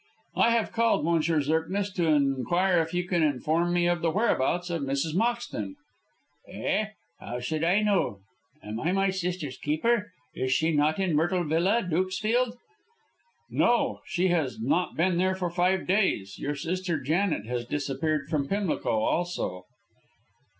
"I have called, M. Zirknitz, to inquire if you can inform me of the whereabouts of Mrs. Moxton?" "Eh? How should I know? Am I my sister's keeper? Is she not in Myrtle Villa, Dukesfield?" "No, she has not been there for five days. Your sister Janet has disappeared from Pimlico also."